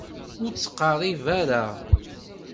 Ur d-ttqeṛṛib ara.